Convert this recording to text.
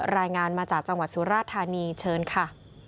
รายงานมาจากจังหวัดสุราธานีเชิญค่ะ